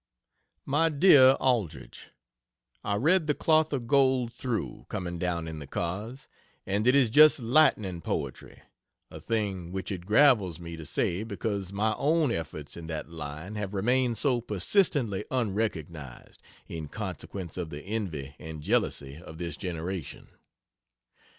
MY DEAR ALDRICH, I read the "Cloth of Gold" through, coming down in the cars, and it is just lightning poetry a thing which it gravels me to say because my own efforts in that line have remained so persistently unrecognized, in consequence of the envy and jealousy of this generation.